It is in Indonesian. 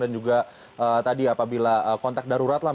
dan juga tadi apabila kontak darurat lah